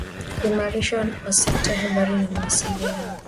kuimarishwa kwa sekta ya habari na mawasiliano